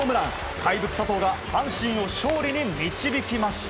怪物・佐藤が阪神を勝利に導きました。